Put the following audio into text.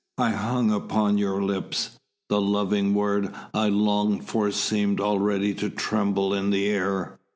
I hung upon your lips. The loving word I longed for seemed already to tremble in the air.